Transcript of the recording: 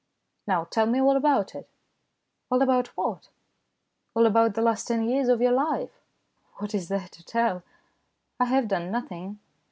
" Now tell me all about it." "All about what?" " All about the last ten years of your life." " What is there to tell ? I have done nothing.